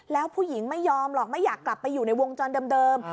แล้วผู้หญิงไม่ยอมหรอกไม่อยากกลับไปอยู่ในวงจรเดิม